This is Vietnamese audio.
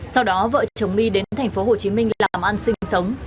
sau đó vợ chồng my đến thành phố hồ chí minh làm ăn sinh sống